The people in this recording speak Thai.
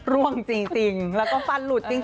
ร่วงจริงแล้วก็ฟันหลุดจริง